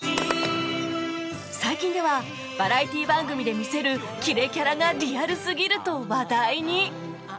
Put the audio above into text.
最近ではバラエティ番組で見せるキレキャラがリアルすぎると話題に